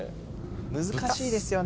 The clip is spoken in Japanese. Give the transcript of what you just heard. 難しいですよね。